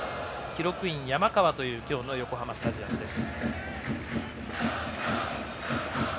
記録員、山川という今日の横浜スタジアムです。